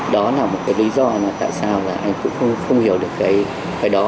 đó là một cái lý do tại sao là anh cũng không hiểu được cái đó